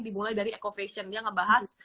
dimulai dari ecovation dia ngebahas